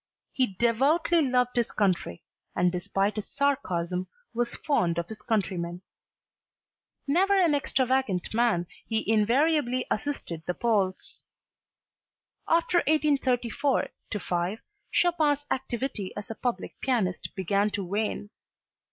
He devoutly loved his country and despite his sarcasm was fond of his countrymen. Never an extravagant man, he invariably assisted the Poles. After 1834 5, Chopin's activity as a public pianist began to wane.